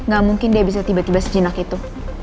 gak mungkin dia bisa tiba tiba sejenak itu